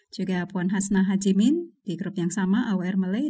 juga puan hasnah hajimin di grup yang sama awr malay